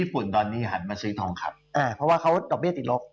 เพราะว่าเขาดอกเบี้ยติดลบ